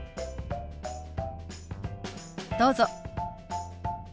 どうぞ。